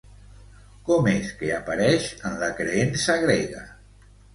Com és que apareix en la creença grega?